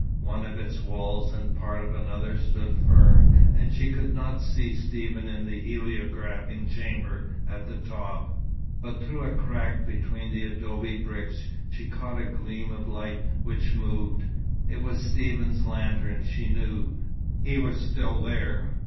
One of its walls and part of another stood firm, and she could not see Stephen in the heliographing chamber at the top. But through a crack between the adobe bricks she caught a gleam of light, which moved. It was Stephen's lantern, she knew. He was still there.